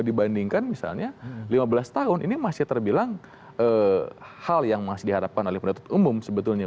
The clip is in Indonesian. dibandingkan misalnya lima belas tahun ini masih terbilang hal yang masih diharapkan oleh penduduk umum sebetulnya